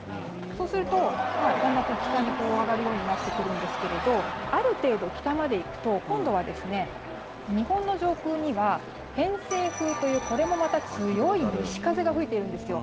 そうすると、だんだん北に上がるようになってくるんですがある程度、北まで行くと今度はですね日本の上空には偏西風というこれもまた強い西風が吹いているんですよ。